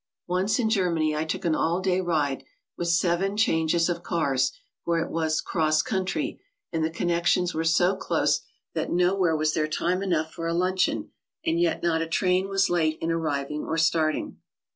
Once in Germany I took an all day ride, with seven changes of cars, for it was "cross country," and the connections were so close that nowhere was there time enough for a luncheon, and yet not a train was late in arriving or starting.